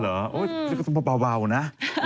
เออเหรอจะกระปะเบานะ